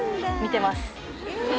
見てます。